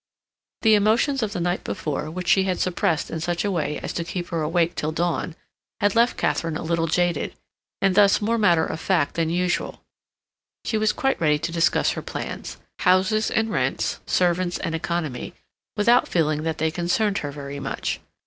The emotions of the night before, which she had suppressed in such a way as to keep her awake till dawn, had left Katharine a little jaded, and thus more matter of fact than usual. She was quite ready to discuss her plans—houses and rents, servants and economy—without feeling that they concerned her very much.